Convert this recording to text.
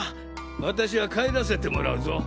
私は帰らせてもらうぞ！